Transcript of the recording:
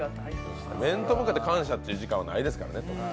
面と向かって感謝という時間はないですからね。